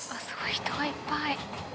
人がいっぱい。